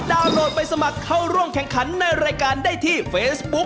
โหลดไปสมัครเข้าร่วมแข่งขันในรายการได้ที่เฟซบุ๊ค